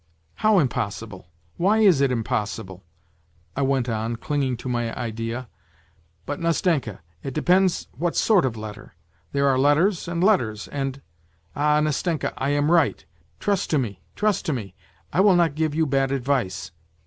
" How impossible why is it impossible ?" I went on, clinging to my idea. " But, Nastenka, it depends what sort of letter; there are letters and letters and. ... All, Nastenka, I am right ; trust to me, trust to me, I will not give you bad advice.